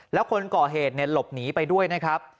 แล้วคนก่อเหตุหลบหนีไปด้วยนะครับ